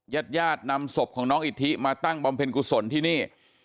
ญาติญาตินำศพของน้องอิทธิมาตั้งบำเพ็ญกุศลที่นี่